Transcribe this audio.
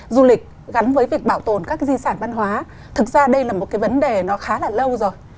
du lịch gắn với việc bảo tồn các di sản văn hóa thực ra đây là một cái vấn đề nó khá là lâu rồi